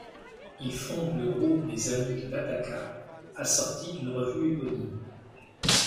Il fonde le groupe des Amis de l'Attaka, assorti d'une revue éponyme.